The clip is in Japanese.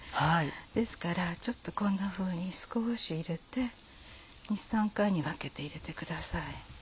ですからちょっとこんなふうに少し入れて２３回に分けて入れてください。